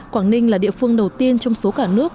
quảng ninh là địa phương đầu tiên trong số cả nước